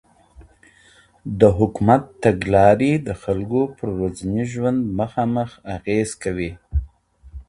د حکومت تګلارې د خلکو پر ورځني ژوند مخامخ اغېز کوي.